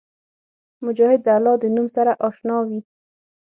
مجاهد د الله د نوم سره اشنا وي.